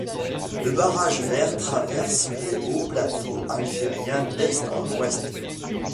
Le Barrage vert traverse les hauts plateaux algériens d'Est en Ouest.